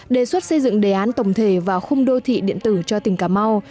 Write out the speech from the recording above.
đề xuất xây dựng đề án tổng thể vào khung đô thị điện tử cho tỉnh cà mau